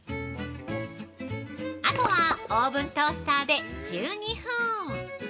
◆あとはオーブントースターで１２分！